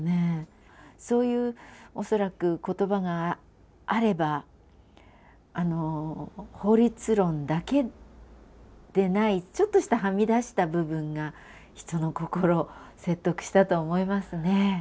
そういう恐らく言葉があれば法律論だけでないちょっとしたはみ出した部分が人の心を説得したと思いますね。